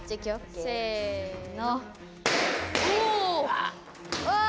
せの。